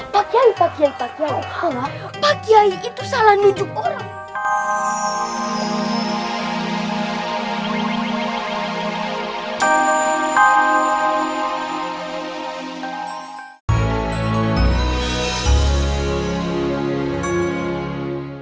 pak kiai pak kiai pak kiai itu salah nunjuk orang